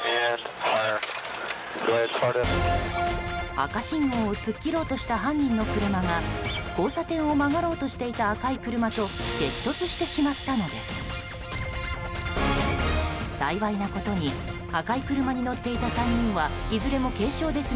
赤信号を突っ切ろうとした犯人の車が交差点を曲がろうとしていた赤い車と激突してしまったのです。